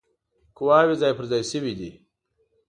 قواوي ځای پر ځای شوي دي.